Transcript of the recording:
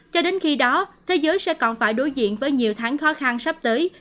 cho đến khi đó thế giới sẽ còn phải đối diện với nhiều tháng khó khăn sắp tới